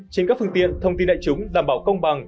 trên các phương tiện thông tin đại chúng đảm bảo công bằng